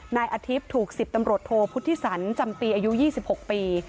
นายอาทิตย์ถูก๑๐ตำรวจโทพุทธิสันจำปีอายุ๒๖ปี